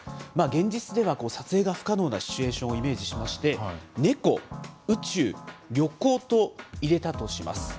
現実では撮影が不可能なシチュエーションをイメージしまして、猫、宇宙、旅行と入れたとします。